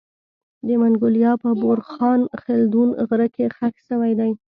د منګولیا په بورخان خلدون غره کي خښ سوی دی